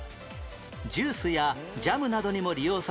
ジュースやジャムなどにも利用される